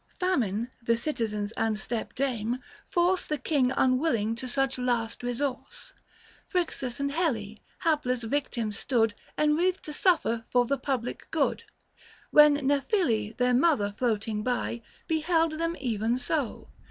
Famine, the citizens and stepdame, force The king unwilling to such last resource ; Phryxus and Helle, hapless victims stood 920 Enwreathed to suffer for the public good. When Nephele their mother floating by, Beheld them even so.